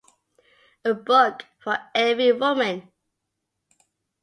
A Book for Every Woman.